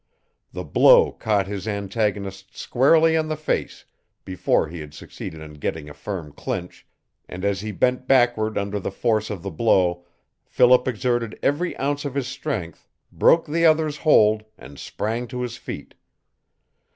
The blow caught his antagonist squarely in the face before he had succeeded in getting a firm clinch, and as he bent backward under the force of the blow Philip exerted every ounce of his strength, broke the other's hold, and sprang to his feet.